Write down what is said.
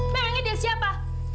bayangin dia siapa